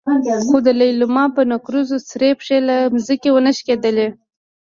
خو د لېلما په نکريزو سرې پښې له ځمکې ونه شکېدلې.